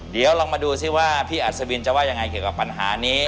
เดี๋ยวลองมาดูซิว่าพี่อัศวินจะว่ายังไงเกี่ยวกับปัญหานี้